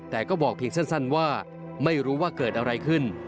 แต่ก็บอกเพียงสั้นว่าไม่รู้ว่าเกิดอะไรขึ้น